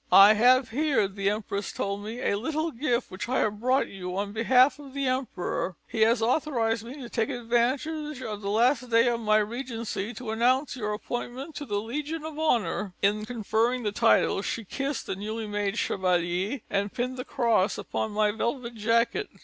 "'I have here,' the empress told me, 'a little gift which I have brought you on behalf of the Emperor. He has authorized me to take advantage of the last day of my regency to announce your appointment to the Legion of Honour.' "And in conferring the title, she kissed the newly made Chevalier and pinned the cross upon my velvet jacket.